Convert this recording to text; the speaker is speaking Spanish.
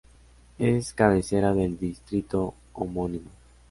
Es cabecera del distrito homónimo.